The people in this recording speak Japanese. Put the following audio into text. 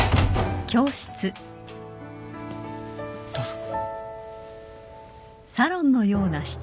どうぞ。